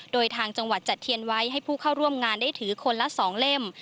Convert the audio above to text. โดยทางจังหวัดจัดเทียนไว้ให้ผู้เข้าร่วมงานได้ถือคนละ๒เล่ม